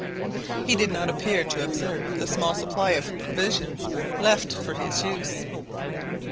He did not appear to observe the small supply of provision left for his use.